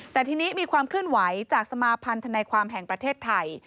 แต่ทีนี้มีความเคลื่อนไหวจากสมาพันธนายความแห่งประเทศไทย